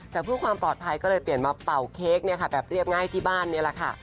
แต่เพื่อความปลอดภัยก็เลยเปลี่ยนมาเป่าเค้กแบบเรียบง่ายที่บ้านนี่แหละค่ะ